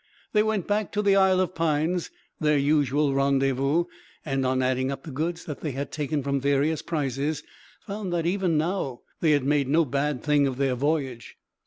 They went back to the Isle of Pines, their usual rendezvous, and on adding up the goods that they had taken from various prizes, found that, even now, they had made no bad thing of their voyage.